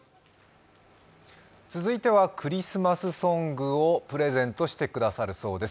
続いてはクリスマスソングをプレゼントしてくださるそうです。